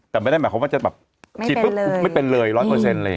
แต่ไม่ได้หมายความว่าจะแบบไม่เป็นเลยไม่เป็นเลยร้อยเปอร์เซ็นต์อะไรอย่างเงี้ย